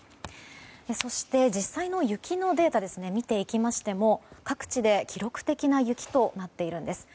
そして、実際の雪のデータを見ていきましても各地で記録的な雪となっているんです。